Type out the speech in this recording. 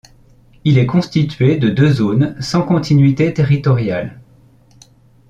Il est constitué de deux zones sans continuité territoriale.